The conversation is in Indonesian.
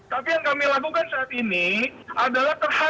tapi yang kami lakukan saat ini adalah terhadap